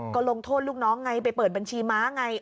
ก็ลงโทษลูกน้องไงไปเปิดบัญชีม้าไง